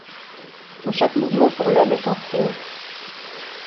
Dont chaque mouvement pour l’homme est un fléau